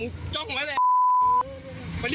เห้ยขุมพวยเอ้ยอะไรเนี่ย